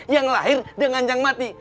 yang lahir dengan yang mati